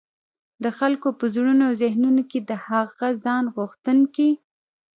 د خلګو په زړونو او ذهنونو کي د هغه ځان غوښتونکي